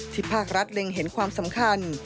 ภาครัฐเล็งเห็นความสำคัญ